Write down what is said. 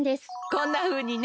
こんなふうにね。